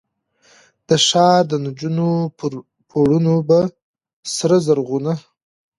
د ښار دنجونو پر پوړونو به، سره زرغونه،